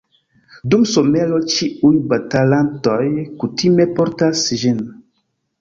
Dum somero ĉiuj batalantoj kutime portas ĝin.